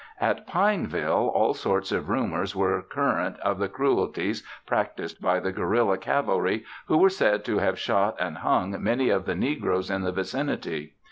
At Pineville, all sorts of rumors were current of the cruelties practiced by the guerilla cavalry, who were said to have shot and hung many of the negroes in that vicinity.